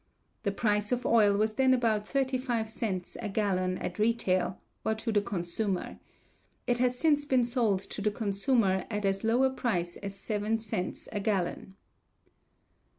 The price of oil was then about thirty five cents a gallon at retail, or to the consumer. It has since been sold to the consumer at as low a price as seven cents a gallon.